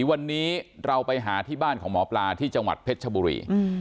วันนี้เราไปหาที่บ้านของหมอปลาที่จังหวัดเพชรชบุรี